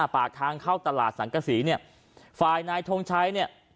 ปากทางเข้าตลาดสังกษีเนี่ยฝ่ายนายทงชัยเนี่ย